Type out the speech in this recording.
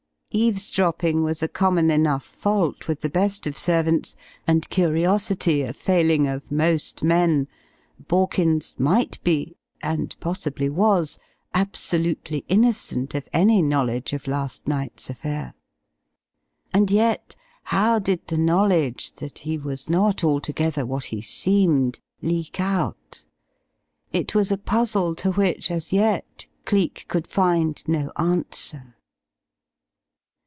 Eavesdropping was a common enough fault with the best of servants, and curiosity a failing of most men. Borkins might be and possibly was absolutely innocent of any knowledge of last night's affair. And yet, how did the knowledge, that he was not altogether what he seemed, leak out? It was a puzzle to which, as yet, Cleek could find no answer.